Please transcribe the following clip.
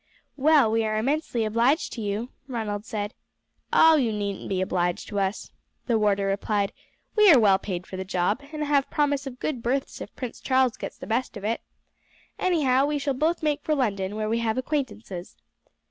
"Well, we are immensely obliged to you," Ronald said. "Oh, you needn't be obliged to us," the warder replied; "we are well paid for the job, and have a promise of good berths if Prince Charles gets the best of it. Anyhow, we shall both make for London, where we have acquaintances.